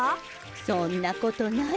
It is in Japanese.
そんなことない。